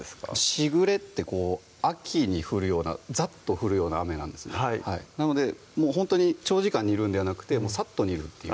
しぐれってこう秋に降るようなざっと降るような雨なんですねなのでほんとに長時間煮るんではなくてさっと煮るっていう